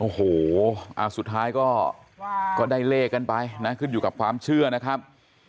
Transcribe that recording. โอ้โหสุดท้ายก็ได้เลขกันไปนะขึ้นอยู่กับความเชื่อนะครับ